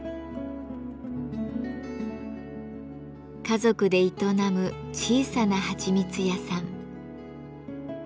家族で営む小さなはちみつ屋さん。